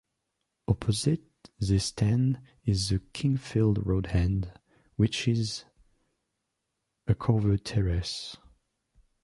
Opposite this stand is the Kingfield Road End, which is a covered terrace.